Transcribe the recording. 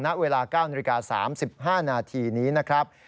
ณเวลา๙นาฬิกา๓๕นาทีนี้นะครับ